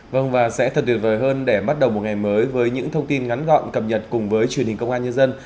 vâng và sẽ thật tuyệt vời hơn để bắt đầu một ngày mới với những thông tin ngắn gọn cập nhật cùng với truyền hình công an nhân dân